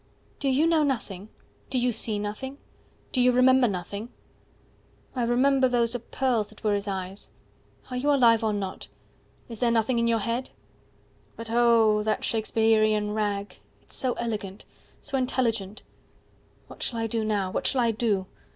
120 "Do You know nothing? Do you see nothing? Do you remember Nothing?" I remember Those are pearls that were his eyes. 125 "Are you alive, or not? Is there nothing in your head?" But O O O O that Shakespeherian Rag— It's so elegant So intelligent 130 "What shall I do now? What shall I do?